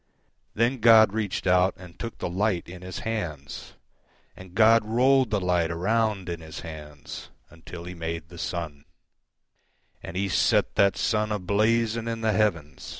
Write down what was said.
Then God reached out and took the light in His hands, And God rolled the light around in His handsUntil He made the sun; And He set that sun a blazing in the heavens.